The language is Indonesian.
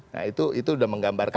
nah itu udah menggambarkan